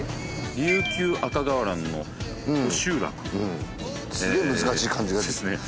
琉球赤瓦の古集落すげえ難しい漢字がそうですね